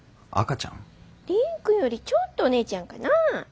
蓮くんよりちょっとお姉ちゃんかな？